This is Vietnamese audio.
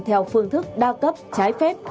theo phương thức đa cấp trái phép